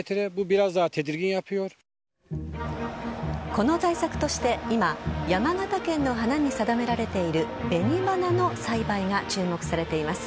この対策として今、山形県の花に定められている紅花の栽培が注目されています。